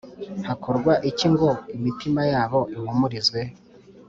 Hakorwa iki ngo imitima yabo ihumurizwe?